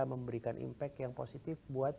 memberikan impact yang positif buat